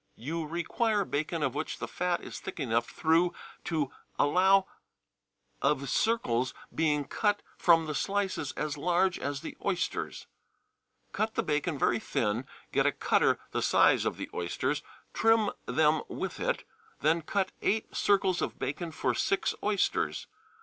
You require bacon of which the fat is thick enough through to allow of circles being cut from the slices as large as the oysters. Cut the bacon very thin, get a cutter the size of the oysters, trim them with it, then cut eight circles of bacon for six oysters.